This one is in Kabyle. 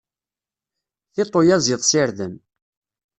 Tiṭ uyaziḍ s irden.